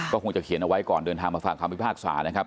ก็คงจะเขียนเอาไว้ก่อนเดินทางมาฟังคำพิพากษานะครับ